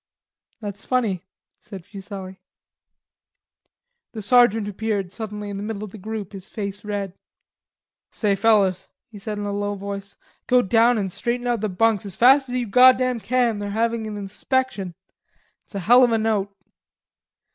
"That's funny," said Fuselli. The sergeant appeared suddenly in the middle of the group, his face red. "Say, fellers," he said in a low voice, "go down an' straighten out the bunks as fast as you goddam can. They're having an inspection. It's a hell of a note."